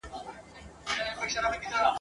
د پردیو خپلو ویني بهېدلې !.